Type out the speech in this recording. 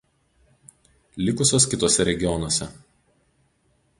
likusios kituose regionuose